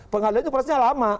pengadilan prosesnya lama